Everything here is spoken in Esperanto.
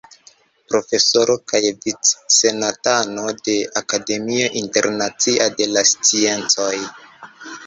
Profesoro kaj vic-senatano de Akademio Internacia de la Sciencoj.